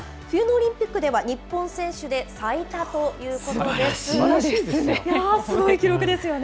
冬のオリンピックでは、日本選手で最多ということです。